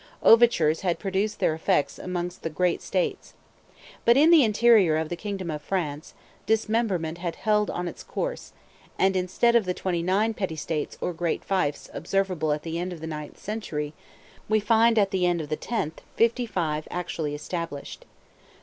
Overtures had produced their effects amongst the great states. But in the interior of the kingdom of France, dismemberment had held on its course; and instead of the twenty nine petty states or great fiefs observable at the end of the ninth century, we find at the end of the tenth, fifty five actually established.